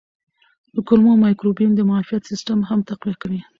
د کولمو مایکروبیوم د معافیت سیستم هم تقویه کوي.